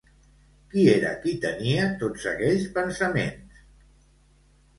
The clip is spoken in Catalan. Qui era qui tenia tots aquells pensaments?